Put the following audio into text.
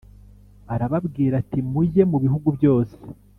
Arababwira ati Mujye mu bihugu byose